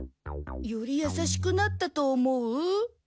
より優しくなったと思う？